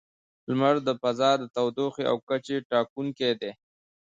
• لمر د فضا د تودوخې او کچې ټاکونکی دی.